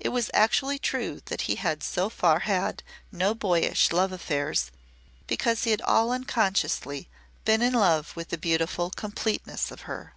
It was actually true that he had so far had no boyish love affairs because he had all unconsciously been in love with the beautiful completeness of her.